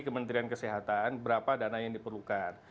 kementerian kesehatan berapa dana yang diperlukan